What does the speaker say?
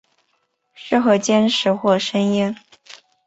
适合煎食或盐腌。